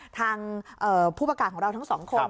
ทางผู้ประกาศของเราทั้งสองคน